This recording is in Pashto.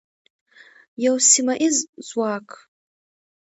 یو سیمه ییز ځواک.